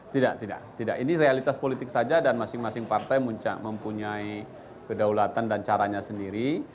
tidak tidak ini realitas politik saja dan masing masing partai mempunyai kedaulatan dan caranya sendiri